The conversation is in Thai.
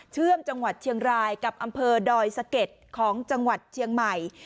เชื่อมจังหวัดเชียงรายกับอำเภอดอยสะเก็ดของจังหวัดเชียงใหม่